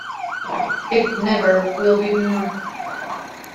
It never will be more.